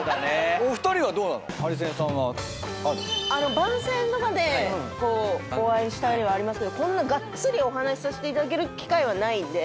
番宣とかでお会いしたりはありますけどこんながっつりお話しさせていただける機会はないんで。